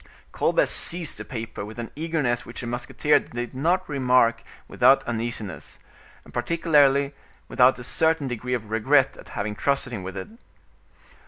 Colbert seized the paper with an eagerness which the musketeer did not remark without uneasiness, and particularly without a certain degree of regret at having trusted him with it.